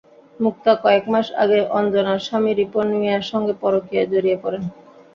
মুক্তা কয়েক মাস আগে অঞ্জনার স্বামী রিপন মিয়ার সঙ্গে পরকীয়ায় জড়িয়ে পড়েন।